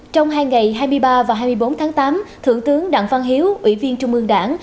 trong hai ngày hai mươi ba và hai mươi bốn tháng tám thượng tướng đặng văn hiếu ủy viên trung ương đảng